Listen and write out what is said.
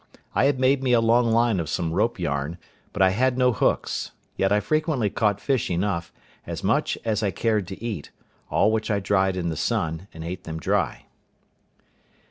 I had made me a long line of some rope yarn, but I had no hooks; yet I frequently caught fish enough, as much as I cared to eat; all which I dried in the sun, and ate them dry.